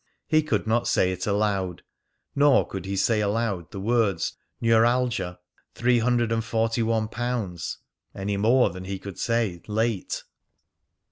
He could not say it aloud. Nor could he say aloud the words "neuralgia," "three hundred and forty one pounds," any more than he could say "late."